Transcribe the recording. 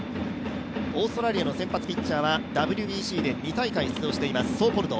オーストラリアの先発ピッチャーはＷＢＣで２試合連続出場していますソーポルド。